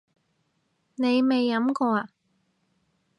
你未飲過呀？